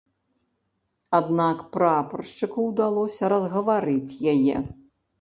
Аднак прапаршчыку ўдалося разгаварыць яе.